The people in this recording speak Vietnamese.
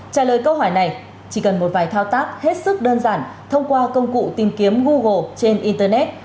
trả lời câu hỏi này chỉ cần một vài thao tác hết sức đơn giản thông qua công cụ tìm kiếm google trên internet